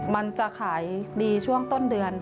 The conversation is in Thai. มันจะขายดีช่วงต้นเดือน